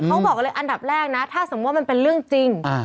เขาบอกเลยอันดับแรกนะถ้าสมมุติมันเป็นเรื่องจริง